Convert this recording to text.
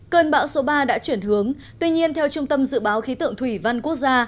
cơn bão số ba đã chuyển hướng tuy nhiên theo trung tâm dự báo khí tượng thủy văn quốc gia